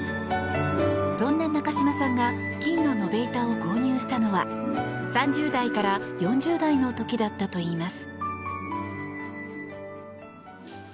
そんな中嶋さんが金の延べ板を購入したのは３０代から４０代の時だったといいます。